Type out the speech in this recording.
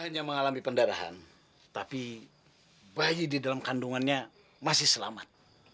hanya mengalami pendarahan tapi bayi di dalam kandungannya masih selamat